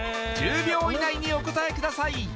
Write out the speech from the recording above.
１０秒以内にお答えください